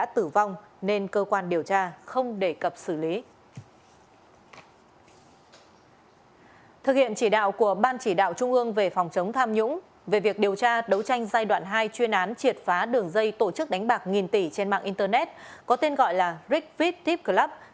thực hiện chỉ đạo của ban chỉ đạo trung ương về phòng chống tham nhũng về việc điều tra đấu tranh giai đoạn hai chuyên án triệt phá đường dây tổ chức đánh bạc nghìn tỷ trên mạng internet có tên gọi là rick fried tipclub